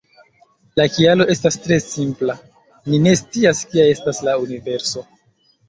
La kialo estas tre simpla: ni ne scias kia estas la universo".